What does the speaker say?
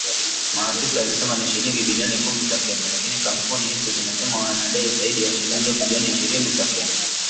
Maafisa walisema ni shilingi bilioni kumi za Kenya, lakini kampuni hizo zinasema wanadai zaidi ya shilingi bilioni ishirini za Kenya